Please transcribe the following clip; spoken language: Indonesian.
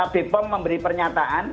bpom memberi pernyataan